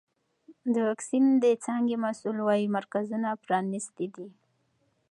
د واکسین د څانګې مسؤل وایي مرکزونه پرانیستي دي.